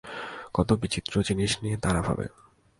কত বিচিত্র জিনিস নিয়ে তারা ভাবে।